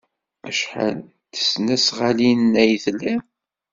Acḥal n tesnasɣalin ay tlid?